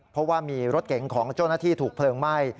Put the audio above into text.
เพราะว่ามีรถเก๋งของเจ้าหน้าที่ถูกเพลิงไหม้